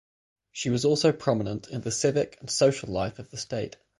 She was also prominent in the civic and social life of the state.